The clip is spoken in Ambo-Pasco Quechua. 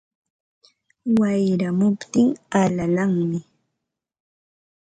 Wayramuptin alalanmi